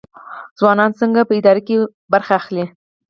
ځوانان څنګه په اداره کې ونډه اخلي؟